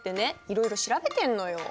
いろいろ調べてんのよ。